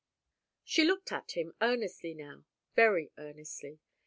She looked at him earnestly, now—very earnestly.